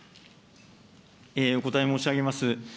お答え申し上げます。